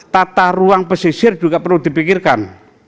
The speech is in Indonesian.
tata ruang pesisir juga perlu dipikirkan